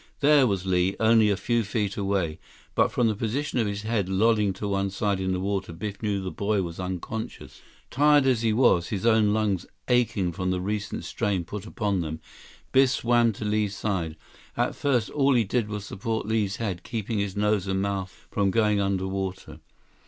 There was Li, only a few feet away. But from the position of his head, lolling to one side in the water, Biff knew the boy was unconscious. Tired as he was, his own lungs aching from the recent strain put upon them, Biff swam to Li's side. At first, all he did was support Li's head, keeping his nose and mouth from going under water.